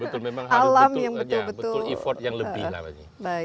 betul memang harus betul betul effort yang lebih